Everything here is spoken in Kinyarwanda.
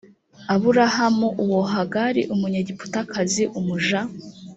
aburahamu uwo hagari umunyegiputakazi umuja